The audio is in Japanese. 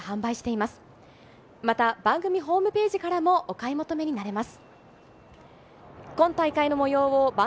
また番組ホームページからもお買い求めになれます。